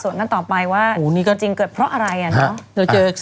แล้วต่อไปว่าจริงเกิดเพราะอะไรอะเนอะ